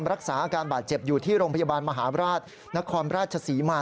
รักษาอาการบาดเจ็บอยู่ที่โรงพยาบาลมหาราชนครราชศรีมา